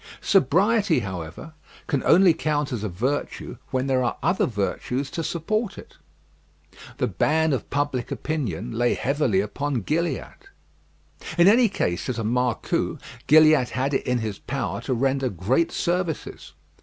Sobriety, however, can only count as a virtue when there are other virtues to support it. The ban of public opinion lay heavily upon Gilliatt. In any case, as a marcou, Gilliatt had it in his power to render great services.